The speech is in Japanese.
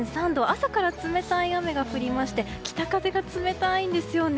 朝から冷たい雨が降りまして北風が冷たいんですよね。